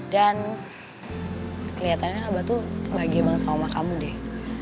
dan keliatannya abah tuh bahagia banget sama omakamu deh